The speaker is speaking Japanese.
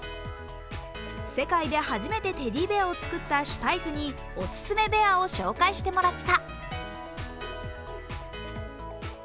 世界で初めてテディベアを作ったシュタイフにオススメベアを紹介してもらった。